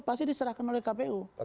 pasti diserahkan oleh kpu